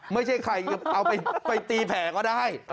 ไม่ใช่ใครเอาไปตีแผ่ก็ได้